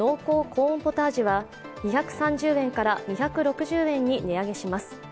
コーンポタージュは２３０円から２６０円に値上げします。